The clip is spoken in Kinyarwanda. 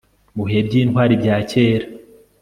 Mubihe byintwari bya kera